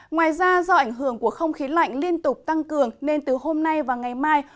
ngoài ra do ảnh hưởng của không khí lạnh liên tục tăng cường nên từ hôm nay và ngày mai